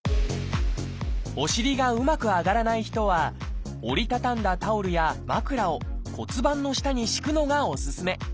お尻がうまく上がらない人は折り畳んだタオルや枕を骨盤の下に敷くのがおすすめ。